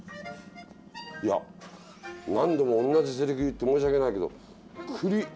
いや何度も同じせりふ言って申し訳ないけどくり！